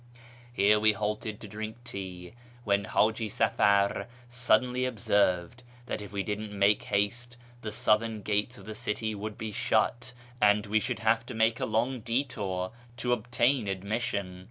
Here we halted to drink tea, when Hiiji Safar suddenly observed that if we didn't make haste the southern gates of the city would be shut, and we should have to make a long detour to obtain admission.